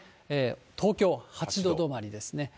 東京、８度止まりですね。